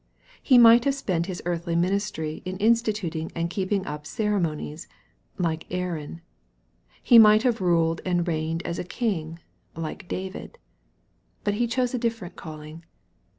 He might have spent his earthly ministry in instituting and keeping up ceremonies, like Aaron. He might have ruled and reigned as a king, like David. But He chose a different calling.